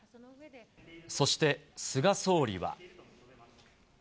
そして、菅総理は。